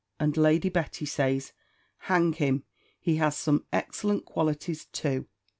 And Lady Betty says, "Hang him, he has some excellent qualities too.